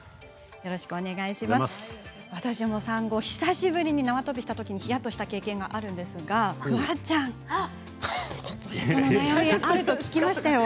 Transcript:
私も産後、久しぶりに縄跳びをしたときにひやっとした経験があるんですがフワちゃん、おしっこの悩みあると聞きましたよ。